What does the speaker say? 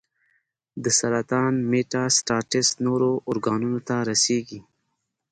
د سرطان میټاسټاسس نورو ارګانونو ته رسېږي.